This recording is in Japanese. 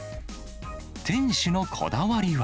店主のこだわりは。